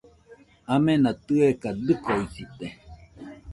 Amena tɨeka dɨkoɨsite